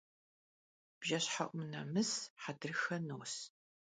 Bjjeşhe'um nemıs hedrıxe no'us.